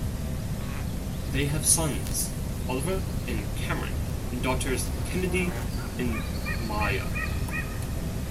They have sons - Oliver and Cameron, and daughters Kennedy and Maya.